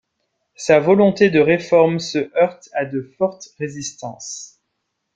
Sa volonté de réforme se heurte à de fortes résistances.